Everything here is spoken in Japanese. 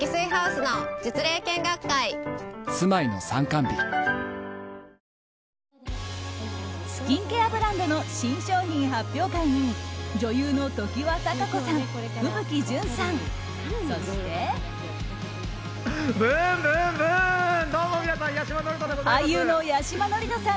スキンケアブランドの新商品発表会に女優の常盤貴子さん風吹ジュンさん。